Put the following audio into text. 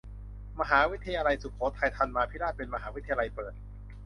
มหาวิทยาลัยสุโขทัยธรรมาธิราชเป็นมหาวิทยาลัยเปิด